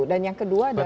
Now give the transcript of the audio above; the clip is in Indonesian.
dan yang kedua adalah